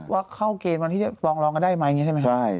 ว่าเข้าเกณฑ์วันที่จะฟ้องร้องกันได้ไหมอย่างนี้ใช่ไหมครับ